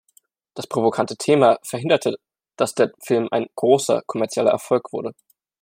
Das provokante Thema verhinderte, dass der Film ein großer kommerzieller Erfolg wurde.